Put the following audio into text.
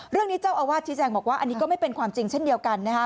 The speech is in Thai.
เรื่องนี้เจ้าอาวาสชี้แจงบอกว่าอันนี้ก็ไม่เป็นความจริงเช่นเดียวกันนะคะ